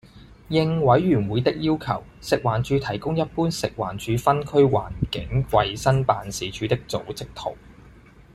應委員會的要求，食環署提供一般食環署分區環境衞生辦事處的組織圖